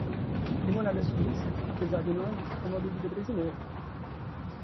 Limonada suíça, apesar do nome, é uma bebida brasileira.